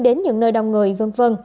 đến những nơi đông người v v